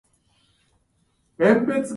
見てもいい？と君は言う